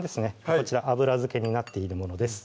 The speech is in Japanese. こちら油漬けになっているものです